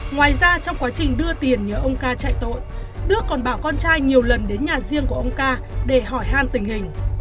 ngoài ra trong quá trình đưa tiền nhớ ông ca chạy tội đức còn bảo con trai nhiều lần đến nhà riêng của ông ca để hỏi hàn tình hình